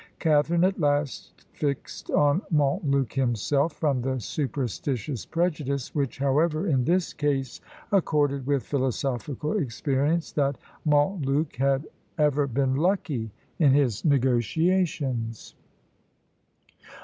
Catharine at last fixed on Montluc himself, from the superstitious prejudice, which, however, in this case accorded with philosophical experience, that "Montluc had ever been lucky in his negotiations."